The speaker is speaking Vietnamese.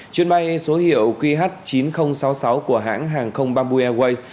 chuyến bay số hiệu qh chín nghìn sáu mươi sáu của hãng hàng không bamboo airways